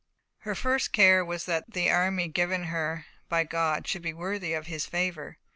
Her first care was that the army given her by God should be worthy of His favour.